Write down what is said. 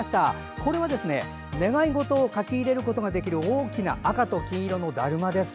これは願い事を書き入れることができる大きな赤と金色のだるまです。